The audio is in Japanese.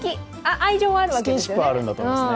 愛情はあるんですよね。